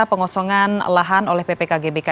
pengosongan lahan oleh ppk gbk